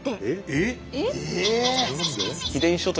えっ！